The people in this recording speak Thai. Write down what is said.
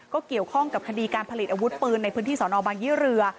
ก็เกี่ยวข้องกับคดีการผลิตอาวุธปืนในพื้นที่สอนอบางยี่เรือ